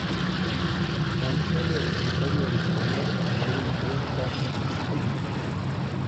Tan sólo es necesario disponer de una cuenta en Steam.